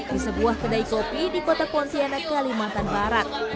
di sebuah kedai kopi di kota pontianak kalimantan barat